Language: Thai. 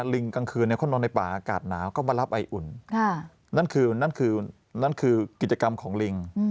ลิงกลางคืนเขานอนในป่าอากาศหนาวก็มารับไออุ่นนั่นคือนั่นคือนั่นคือกิจกรรมของลิง